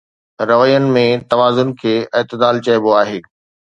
روين ۾ توازن کي اعتدال چئبو آهي